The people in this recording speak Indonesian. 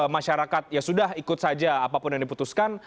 masyarakat ya sudah ikut saja apapun yang diputuskan